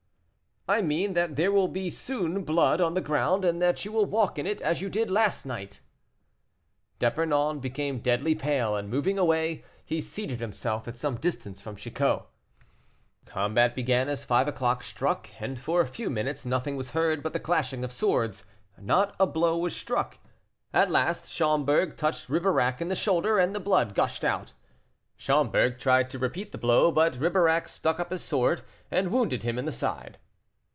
"I mean that there will soon be blood on the ground, and that you will walk in it, as you did last night." D'Epernon became deadly pale, and, moving away, he seated himself at some distance from Chicot. The combat began as five o'clock struck, and for a few minutes nothing was heard but the clashing of swords; not a blow was struck. At last Schomberg touched Ribeirac in the shoulder, and the blood gushed out; Schomberg tried to repeat the blow, but Ribeirac struck up his sword, and wounded him in the side.